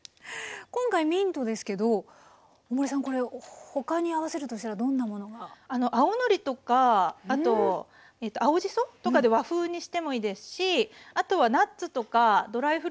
今回ミントですけど大森さんこれ他に合わせるとしたらどんなものが？青のりとかあと青じそとかで和風にしてもいいですしあとはナッツとかドライフルーツとか入れて。